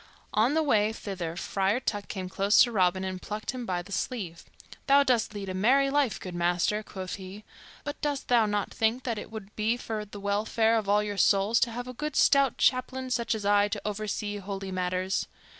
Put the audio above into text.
On the way thither Friar Tuck came close to Robin and plucked him by the sleeve. "Thou dost lead a merry life, good master," quoth he, "but dost thou not think that it would be for the welfare of all your souls to have a good stout chaplain, such as I, to oversee holy matters?